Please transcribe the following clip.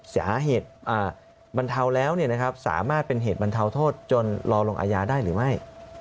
สาเหตุบรรเทาแล้วสามารถเป็นเหตุบรรเทาโทษจนรอลงอาญาได้หรือไม่